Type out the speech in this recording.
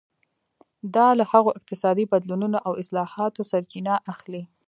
دا له هغو اقتصادي بدلونونو او اصلاحاتو سرچینه اخلي.